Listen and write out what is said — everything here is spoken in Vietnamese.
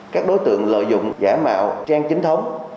các đối tượng lợi dụng giả mạo trang chính thống